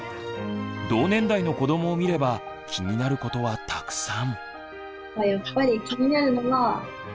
同年代の子どもを見れば気になることはたくさん。